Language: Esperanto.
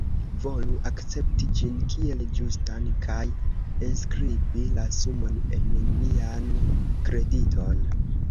Volu akcepti ĝin kiel ĝustan kaj enskribi la sumon en nian krediton.